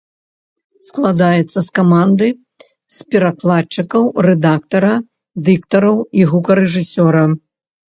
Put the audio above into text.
Складаецца з каманды з перакладчыкаў, рэдактара, дыктараў і гукарэжысёра.